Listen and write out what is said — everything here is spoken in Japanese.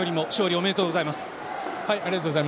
ありがとうございます。